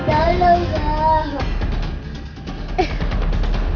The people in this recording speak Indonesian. kak jangan lupa